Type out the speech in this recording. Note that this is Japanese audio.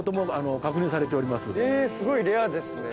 えっすごいレアですね。